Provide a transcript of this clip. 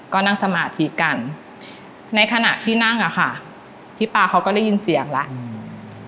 ก็นั่งสมาธิกันในขณะที่นั่งอ่ะค่ะพี่ป๊าเขาก็ได้ยินเสียงแล้วอืม